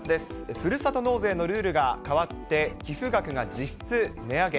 ふるさと納税のルールが変わって、寄付額が実質値上げ。